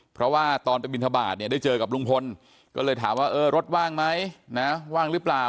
เพราะว่าตอนไปบินทบาทเนี่ยได้เจอกับลุงพลก็เลยถามว่าเออรถว่างไหมนะว่างหรือเปล่า